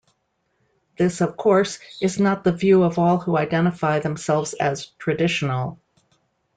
This, of course, is not the view of all who identify themselves as "traditional".